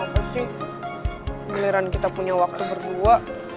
pasti pilihan kita punya waktu berdua